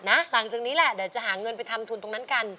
หลังจากนี้แหละเดี๋ยวจะหาเงินไปทำทุนตรงนั้นกัน